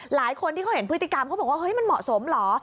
หลายคนที่เขาเห็นพฤติกรรมมันเหมาะสมเหรอ